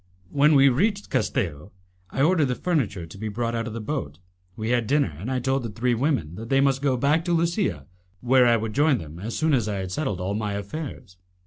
When we reached Castello, I ordered the furniture to be brought out of the boat; we had dinner, and I told the three women that they must go back to Lusia, where I would join them as soon as I had settled all my affairs.